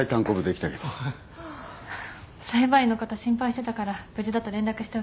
裁判員の方心配してたから無事だと連絡しておきます。